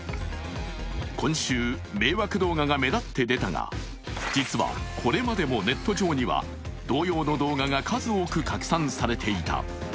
今週、迷惑動画が目立って出たが実はこれまでもネット上には同様の動画が数多く拡散されていた。